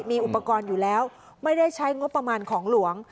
มีอุปกรณ์อยู่แล้วไม่ได้ใช้งบประมาณของหลวง